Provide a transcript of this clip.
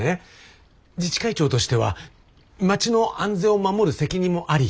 自治会長としては町の安全を守る責任もあり。